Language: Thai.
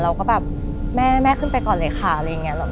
เราก็แบบแม่ขึ้นไปก่อนเลยค่ะอะไรอย่างนี้